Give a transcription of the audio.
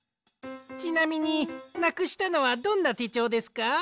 ちなみになくしたのはどんなてちょうですか？